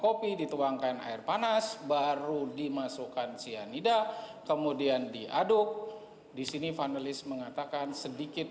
kopi dituangkan air panas baru dimasukkan cyanida kemudian diaduk disini panelis mengatakan sedikit